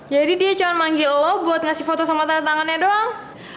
jadi dia cuma manggil lo buat ngasih foto sama tanda tangannya doang